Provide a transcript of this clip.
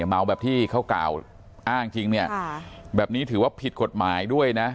เมาแบบที่เขากล่าวอ้างจริงเนี่ยแบบนี้ถือว่าผิดกฎหมายด้วยนะ